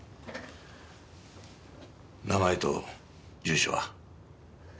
名前と住所は？